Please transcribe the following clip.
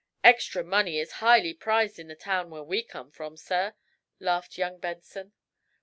"Extra money is highly prized in the town where we come from, sir," laughed young Benson.